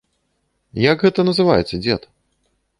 Як гэта называецца, дзед?